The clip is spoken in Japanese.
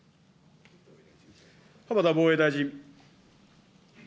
浜田防衛大臣。